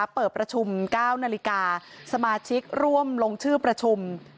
เปิดประชุม๙นาฬิกาสมาชิกร่วมลงชื่อประชุม